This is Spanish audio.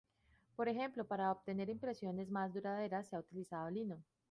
Por ejemplo, para obtener impresiones más duraderas, se ha utilizado lino.